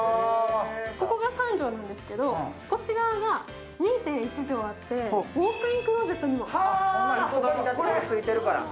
ここが３畳なんですけど、こっち側が２．１畳あってウオーク・イン・クローゼットにも。